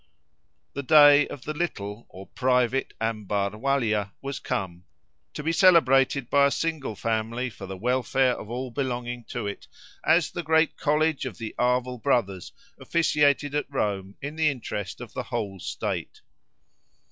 The day of the "little" or private Ambarvalia was come, to be celebrated by a single family for the welfare of all belonging to it, as the great college of the Arval Brothers officiated at Rome in the interest of the whole state.